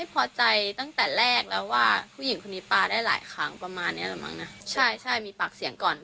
พอใจตั้งแต่แรกแล้วว่าผู้หญิงคนนี้ปลาได้หลายครั้งประมาณเนี้ยแหละมั้งนะใช่ใช่มีปากเสียงก่อน